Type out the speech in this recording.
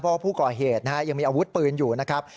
เพราะว่าผู้ก่อเหตุยังมีอาวุธปืนอยู่นะครับ